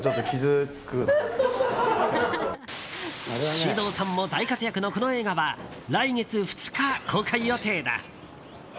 獅童さんも大活躍のこの映画は来月２日公開予定だ。